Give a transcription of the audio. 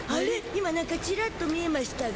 今なんかチラッと見えましゅたが。